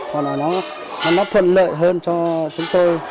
hoặc là nó thuận lợi hơn cho chúng tôi